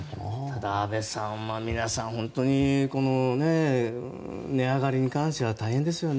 ただ安部さん皆さん、本当に値上がりに関して大変ですよね。